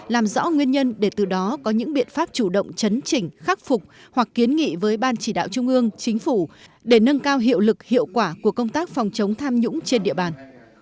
làm rõ nguyên nhân để từ đó có những biện pháp chủ động chấn chỉnh khắc phục hoặc kiến nghị với ban chỉ đạo trung ương chính phủ để nâng cao hiệu lực hiệu quả của công tác phòng chống tham nhũng trên địa bàn